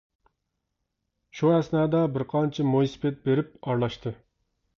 شۇ ئەسنادا بىر قانچە مويسىپىت بېرىپ ئارىلاشتى.